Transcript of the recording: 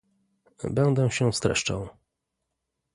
Będę się streszczał